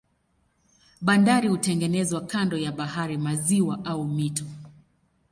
Bandari hutengenezwa kando ya bahari, maziwa au mito.